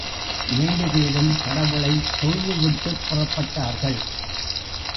இரண்டு பேரும் கடவுளைத் தொழுதுவிட்டுப் புறப்பட்டார்கள்.